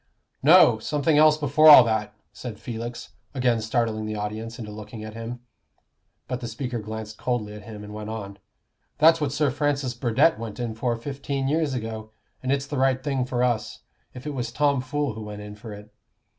"No! something else before all that," said Felix, again startling the audience into looking at him. But the speaker glanced coldly at him and went on. "That's what Sir Francis Burdett went in for fifteen years ago; and it's the right thing for us, if it was Tomfool who went in for it.